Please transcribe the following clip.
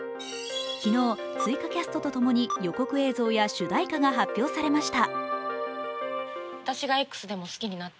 昨日、追加キャストと共に予告映像や主題歌が発表されました。